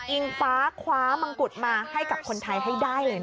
อิงฟ้าคว้ามังกุฎมาให้กับคนไทยให้ได้เลยนะคะ